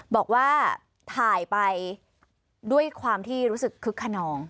บอกว่าถ่ายไปด้วยความที่รู้สึกคึกขนอง